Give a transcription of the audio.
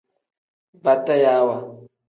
Batayaawa.